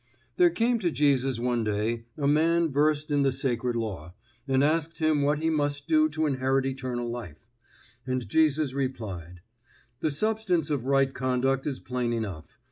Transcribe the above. There came to Jesus one day a man versed in the sacred law, and asked him what he must do to inherit eternal life. And Jesus replied: The substance of right conduct is plain enough.